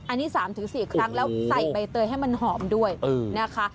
อันนี้๓๔ครั้งแล้วใส่ใบเตยให้มันหอมด้วยนะคะ